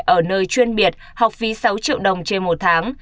ở nơi chuyên biệt học phí sáu triệu đồng trên một tháng